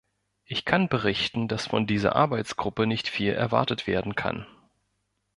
Ich kann berichten, dass von dieser Arbeitsgruppe nicht viel erwartet werden kann.